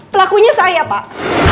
pelakunya saya pak